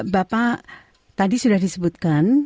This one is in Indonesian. bapak tadi sudah disebutkan